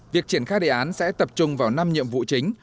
việc triển khai đề án sẽ tập trung vào năm nhiệm vụ chính